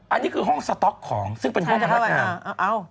อันนี้คือห้องสต๊อกของซึ่งเป็นห้องพนักงาน